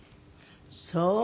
そう。